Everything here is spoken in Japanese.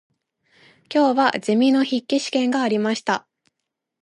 今日はゼミの筆記試験がありました。